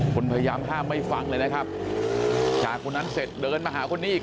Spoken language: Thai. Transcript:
คนพยายามห้ามไม่ฟังเลยนะครับจากคนนั้นเสร็จเดินมาหาคนนี้อีก